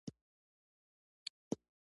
جرات مې زیاتوي.